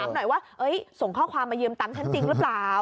หน่อยว่าส่งข้อความมายืมตังค์ฉันจริงหรือเปล่า